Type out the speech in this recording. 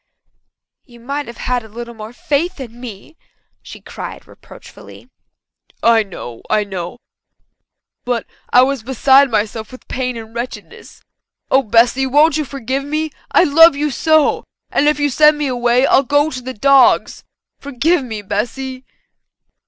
"You might have had a little more faith in me," she cried reproachfully. "I know I know. But I was beside myself with pain and wretchedness. Oh, Bessy, won't you forgive me? I love you so! If you send me away I'll go to the dogs. Forgive me, Bessy."